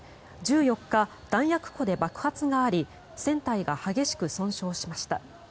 １４日、弾薬庫で爆発があり船体が激しく損傷しました。